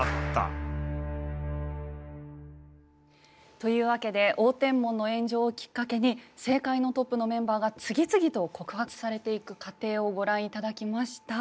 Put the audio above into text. という訳で応天門の炎上をきっかけに政界のトップのメンバーが次々と告発されていく過程をご覧頂きました。